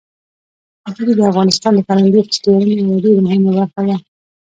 وګړي د افغانستان د فرهنګي فستیوالونو یوه ډېره مهمه برخه ده.